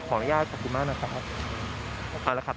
ขออนุญาตขอบคุณมากนะครับ